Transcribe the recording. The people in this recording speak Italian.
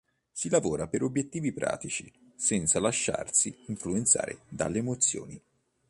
Si lavora per obiettivi pratici senza lasciarsi influenzare dalle emozioni.